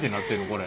これ。